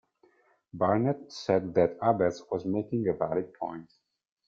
Barnett said that Abetz was making a valid point.